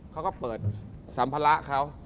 เขาก็เปิดสัมภาระเขา